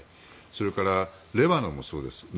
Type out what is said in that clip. それからレバノンもそうです。